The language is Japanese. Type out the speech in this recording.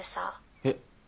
えっ？